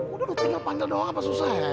udah lo tinggal panggil doang apa susahnya